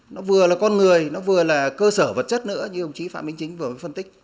nó vừa là con người nó vừa là cơ sở vật chất nữa như ông chí phạm minh chính vừa phân tích